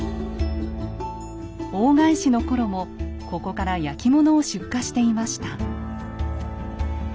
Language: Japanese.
大返しの頃もここから焼き物を出荷していました。